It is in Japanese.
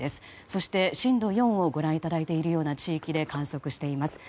そして、震度４をご覧いただいている地域で観測しています。